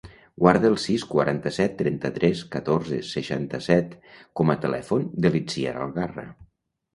Guarda el sis, quaranta-set, trenta-tres, catorze, seixanta-set com a telèfon de l'Itziar Algarra.